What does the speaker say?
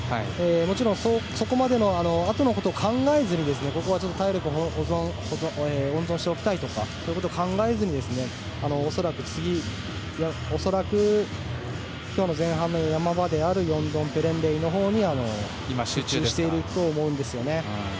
もちろんそこまであとのことを考えずにここは体力を温存しておきたいとかそういうことを考えずに恐らく、今日の前半の山場であるヨンドンペレンレイのほうに集中していると思うんですよね。